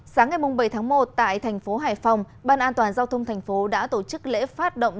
sáng ngày bảy tháng một tại thành phố hải phòng ban an toàn giao thông thành phố đã tổ chức lễ phát động